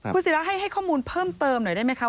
คุณศิราให้ให้ข้อมูลเพิ่มเติมหน่อยได้ไหมคะ